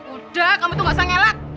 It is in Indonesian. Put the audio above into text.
udah kamu tuh gak usah ngelak